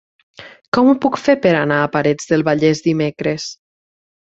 Com ho puc fer per anar a Parets del Vallès dimecres?